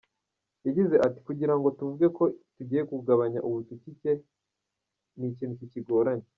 Yagize ati “Kugira ngo tuvuge ngo tugiye kugabanya ubucucike, ni ikintu kikigoranye.